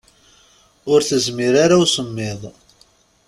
Ur tezmir ara i usemmiḍ.